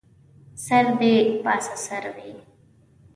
سر دې پاسه سر وي